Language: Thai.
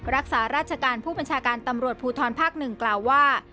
รักษาราชการผู้บัญชาการตำรวจภูทรภาค๑กล่าวว่า